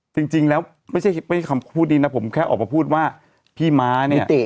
จริงแล้วไม่ใช่คำพูดนี้นะผมแค่ออกมาพูดว่าพี่ม้าเนี่ย